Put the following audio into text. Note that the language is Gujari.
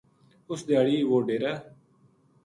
اُس دھیاڑی وہ ڈیرا